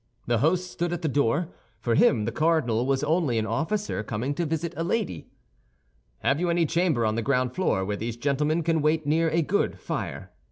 The host stood at the door. For him, the cardinal was only an officer coming to visit a lady. "Have you any chamber on the ground floor where these gentlemen can wait near a good fire?"